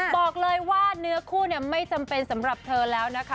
บอกเลยว่าเนื้อคู่ไม่จำเป็นสำหรับเธอแล้วนะคะ